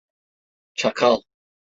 Çakal.